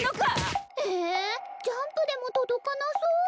えージャンプでも届かなそう。